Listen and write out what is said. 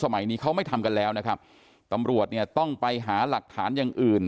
สมัยนี้เขาไม่ทำกันแล้วนะครับตำรวจเนี่ยต้องไปหาหลักฐานอย่างอื่น